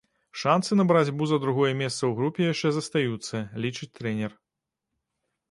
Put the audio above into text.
Шанцы на барацьбу за другое месца ў групе яшчэ застаюцца, лічыць трэнер.